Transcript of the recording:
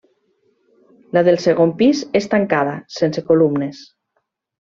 La del segon pis és tancada, sense columnes.